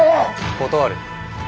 断る。